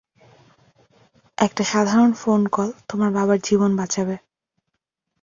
একটা সাধারণ phone call তোমার বাবার জীবন বাঁচাবে।